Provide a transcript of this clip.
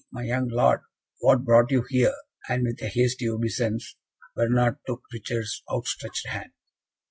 My young Lord! what brought you here?" And with a hasty obeisance, Bernard took Richard's outstretched hand.